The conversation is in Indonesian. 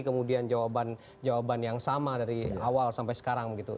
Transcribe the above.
kemudian jawaban jawaban yang sama dari awal sampai sekarang gitu